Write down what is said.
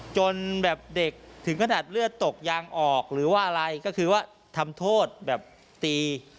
จนแบบเด็กถึงขนาดเลือดตกยางออกหรือว่าอะไรก็คือว่าทำโทษแบบตี